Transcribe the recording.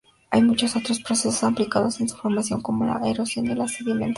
Hay muchos otros procesos implicados en su formación, como la erosión y la sedimentación.